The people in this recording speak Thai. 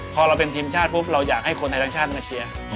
พอเราเป็นทีมชาติปุ๊บเราอยากให้คนไทยทั้งชาติมาเชียร์